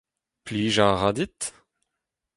Plijañ a ra dit ?